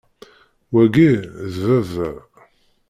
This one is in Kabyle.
Wagi, d baba.